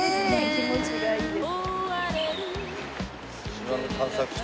気持ちがいいです。